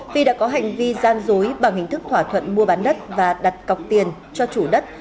phi đã có hành vi gian dối bằng hình thức thỏa thuận mua bán đất và đặt cọc tiền cho chủ đất